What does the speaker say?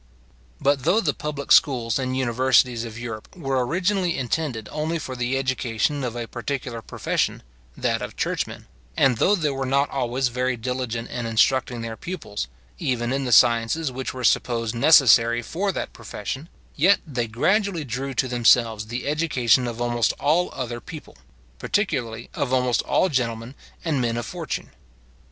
But though the public schools and universities of Europe were originally intended only for the education of a particular profession, that of churchmen; and though they were not always very diligent in instructing their pupils, even in the sciences which were supposed necessary for that profession; yet they gradually drew to themselves the education of almost all other people, particularly of almost all gentlemen and men of fortune.